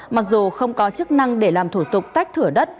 mặc dù không có chức năng để làm thủ tục tách thửa đất